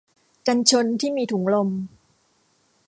กันชนที่มีถุงลม